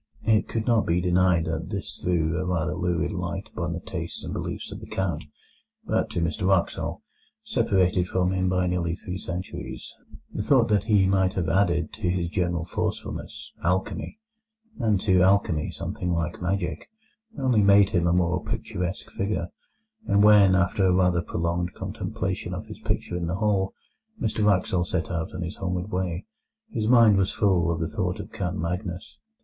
It could not be denied that this threw a rather lurid light upon the tastes and beliefs of the Count; but to Mr Wraxall, separated from him by nearly three centuries, the thought that he might have added to his general forcefulness alchemy, and to alchemy something like magic, only made him a more picturesque figure; and when, after a rather prolonged contemplation of his picture in the hall, Mr Wraxall set out on his homeward way, his mind was full of the thought of Count Magnus.